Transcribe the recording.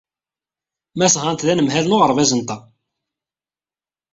Mass Hunt d anemhal n uɣebaz-nteɣ.